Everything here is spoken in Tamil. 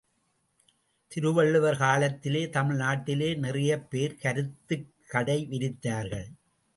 திருவள்ளுவர் காலத்திலே தமிழ்நாட்டிலே நிறையப் பேர் கருத்துக் கடை விரித்தார்கள்.